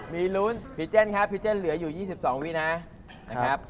มีลุ้นพี่เจนครับพี่เจนเหลืออยู่๒๒วินะนะครับ